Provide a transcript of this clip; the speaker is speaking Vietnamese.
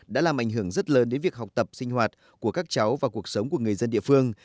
đã làm ảnh hưởng rất lớn đến việc học tập sinh hoạt của các cháu và cuộc sống của người dân địa phương